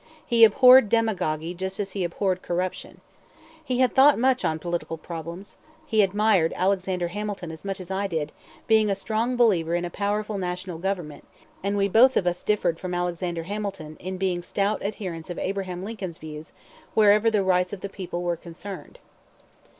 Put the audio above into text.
He abhorred demagogy just as he abhorred corruption. He had thought much on political problems; he admired Alexander Hamilton as much as I did, being a strong believer in a powerful National government; and we both of us differed from Alexander Hamilton in being stout adherents of Abraham Lincoln's views wherever the rights of the people were concerned.